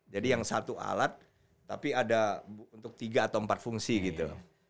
yang satu alat tapi ada untuk tiga atau empat fungsi gitu